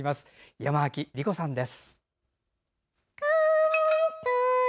山脇りこさんです。